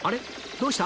どうした？